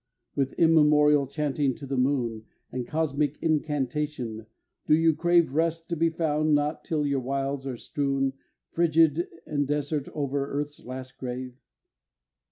With immemorial chanting to the moon, And cosmic incantation, do you crave Rest to be found not till your wilds are strewn Frigid and desert over earth's last grave?